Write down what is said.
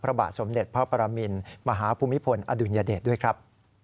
พระบาทสมเด็จพระปรมินมหาภูมิพลอดุลยเดชด้วยครับ